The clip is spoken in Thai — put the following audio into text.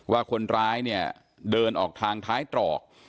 ว่าคนร้ายเนี่ยเดินออกทางท้ายตรอก